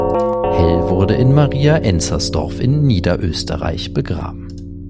Hell wurde in Maria Enzersdorf in Niederösterreich begraben.